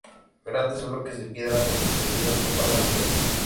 Grandes bloques de piedra desprendidos conforman el suelo.